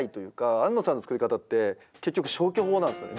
庵野さんの作り方って結局消去法なんですよね。